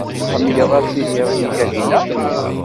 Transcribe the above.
Tḥemmleḍ ad tiliḍ d Kahina?